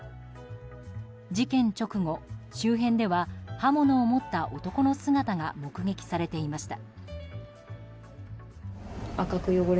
事件直後、周辺では刃物を持った男の姿が目撃されていました。